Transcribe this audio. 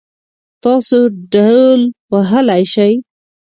تاسو ډهول وهلی شئ؟